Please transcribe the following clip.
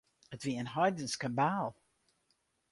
It wie in heidensk kabaal.